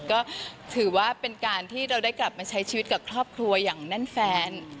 ก็ถือว่าเป็นการที่เราได้กลับมาใช้ชีวิตกับครอบครัวอย่างแน่นแฟน